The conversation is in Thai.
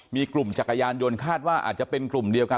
มีกลุ่มจักรยานยนต์คาดว่าอาจจะเป็นกลุ่มเดียวกัน